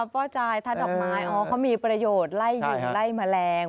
ป่อจ่ายถ้าดอกไม้เขามีประโยชน์ไล่อยู่ไล่มะแรง